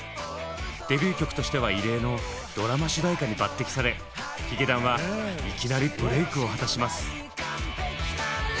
デビュー曲としては異例のドラマ主題歌に抜てきされヒゲダンはいきなりブレークを果たします。